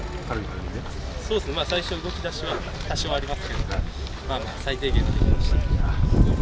最初動きだしは多少ありましたけど、最低限ありました。